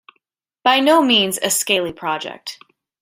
By no means a scaly project.